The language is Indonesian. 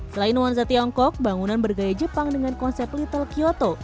selain nuansa tiongkok bangunan bergaya jepang dengan konsep little kyoto